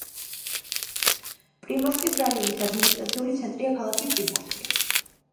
პრიმორსკის რაიონის ადმინისტრაციული ცენტრია ქალაქი პრიმორსკი.